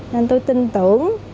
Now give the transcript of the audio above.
nên tôi tin tưởng